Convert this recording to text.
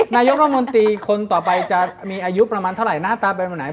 นายกรัฐมนตรีคนต่อไปจะมีอายุประมาณเท่าไหร่หน้าตาเป็นแบบไหน